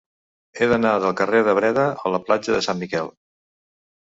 He d'anar del carrer de Breda a la platja de Sant Miquel.